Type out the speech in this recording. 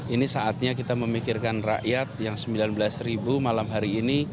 ini saatnya kita memikirkan rakyat yang sembilan belas ribu malam hari ini